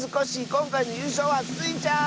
こんかいのゆうしょうはスイちゃん！